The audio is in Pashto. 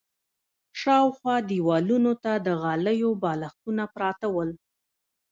شاوخوا دېوالونو ته د غالیو بالښتونه پراته ول.